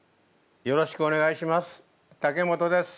よろしくお願いします。